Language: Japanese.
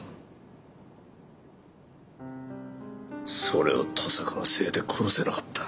それを登坂のせいで殺せなかった。